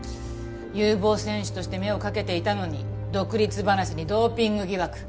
有望選手として目をかけていたのに独立話にドーピング疑惑。